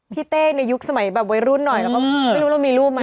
พี่เต้ในยุคสมัยแบบไว้รุ่นหน่อยแล้วก็ไม่รู้ว่ามีรูปไหมนะ